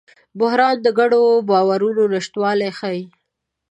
بحران د ګډو باورونو نشتوالی ښيي.